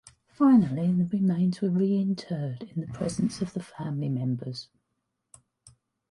Finally, the remains were reinterred in the presence of the family members.